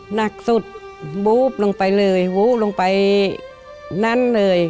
หนักสุดบู๊บลงไปเลยหูลงไปนั่นเลย